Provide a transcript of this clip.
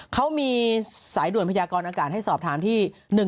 เขามีสายด่วนพยากรอากาศให้สอบถามที่